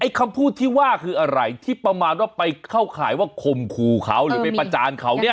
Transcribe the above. คำพูดที่ว่าคืออะไรที่ประมาณว่าไปเข้าข่ายว่าข่มขู่เขาหรือไปประจานเขาเนี่ย